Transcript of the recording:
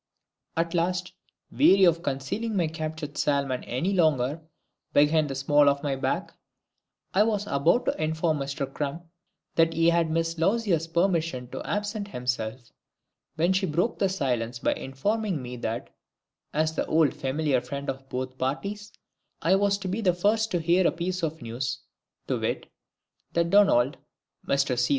At last, weary of concealing my captured salmon any longer behind the small of my back, I was about to inform Mister CRUM that he had Miss LOUISA'S permission to absent himself, when she broke the silence by informing me that, as the old familiar friend of both parties, I was to be the first to hear a piece of news to wit, that DONALD (Mister C.'